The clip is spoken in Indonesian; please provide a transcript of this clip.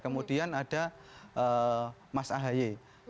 kemudian ada mas ahaye